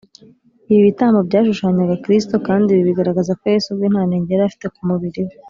. Ibi bitambo byashushanyaga Kristo, kandi ibi bigaragaza ko Yesu ubwe nta nenge yari afite ku mubiri we